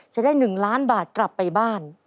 จะได้๑ล้านบาทกลับไปบ้าน